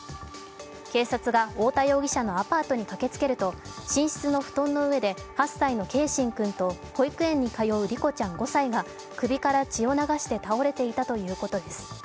警察が太田容疑者のアパートに駆けつけると、寝室の布団の上で８歳の継真君と保育園に通う梨心ちゃん５歳が首から血を流して倒れていたということです。